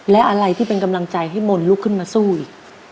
และอะไรที่เป็นกำลังใจให้มนต์ลุกขึ้นมาสู้อีก